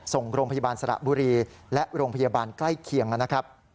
ส่งโรงพยาบาลสระบุรีและโรงพยาบาลใกล้เคียงนะครับ